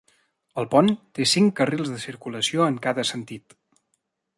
El pont té cinc carrils de circulació en cada sentit.